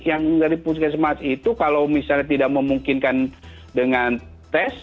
yang dari puskesmas itu kalau misalnya tidak memungkinkan dengan tes